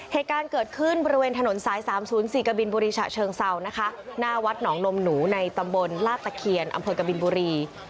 เหตุการณ์เกิดขึ้นบริเวณถนนสาย๓๐๔กบินบุรีฉะเชิงเซานะคะหน้าวัดหนองนมหนูในตำบลลาดตะเคียนอำเภอกบินบุรี